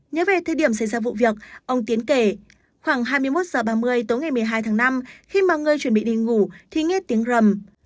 nhớ về thời điểm xảy ra vụ việc ông tiến kể khoảng hai mươi một h ba mươi tối ngày một mươi hai tháng năm khi mà người chuẩn bị đi ngủ thì nghe tiếng rầm